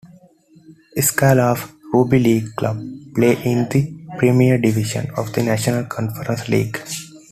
Skirlaugh rugby league club, play in the Premier Division of the National Conference League.